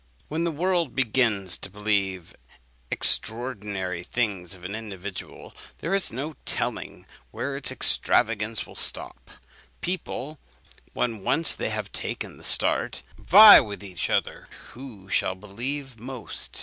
'" When the world begins to believe extraordinary things of an individual, there is no telling where its extravagance will stop. People, when once they have taken the start, vie with each other who shall believe most.